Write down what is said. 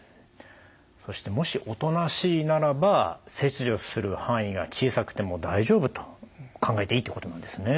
そしてもしおとなしいならば切除する範囲が小さくても大丈夫と考えていいってことなんですね。